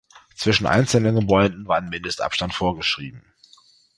Zwischen einzelnen Gebäude war ein Mindestabstand vorgeschrieben.